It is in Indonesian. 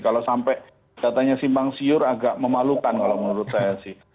kalau sampai datanya simpang siur agak memalukan kalau menurut saya sih